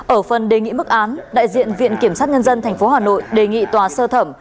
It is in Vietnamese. ở phần đề nghị mức án đại diện viện kiểm sát nhân dân tp hà nội đề nghị tòa sơ thẩm